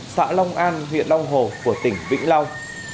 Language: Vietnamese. xã long an huyện long hồ của tỉnh vĩnh long